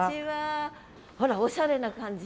あらおしゃれな感じ。